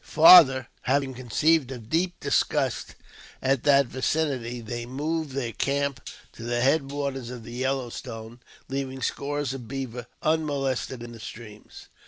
Farther, having conceived a deep disgust at that vicinity, they moved their camp to the head waters of the Yellow Stone, leaving scores of beaver unmolested in the streams.